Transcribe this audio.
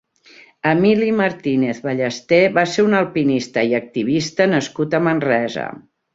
Emili Martínez Ballester va ser un alpinista i activista nascut a Manresa.